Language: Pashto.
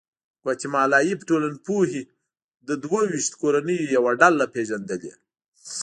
ګواتیمالایي ټولنپوهې د دوه ویشت کورنیو یوه ډله پېژندلې.